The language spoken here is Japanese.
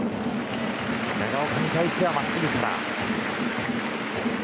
長岡に対しては真っすぐから。